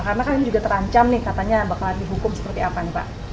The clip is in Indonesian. karena kan ini juga terancam nih katanya bakalan dibukung seperti apa nih pak